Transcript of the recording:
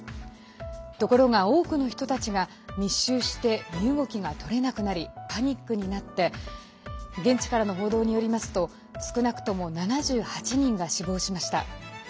ところが多くの人たちが密集して身動きが取れなくなりパニックになって現地からの報道によりますと少なくとも７８人が死亡しました。